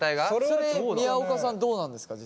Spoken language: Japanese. それ宮岡さんどうなんですか？